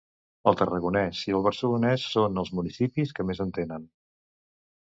El Tarragonès i el Barcelonès són els municipis que més en tenen.